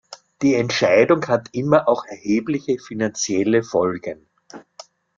Die Entscheidung hat immer auch erhebliche finanzielle Folgen.